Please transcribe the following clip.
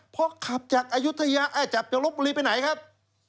พอขับจากอายุทยาจับจากลบบุรีไปไหนครับ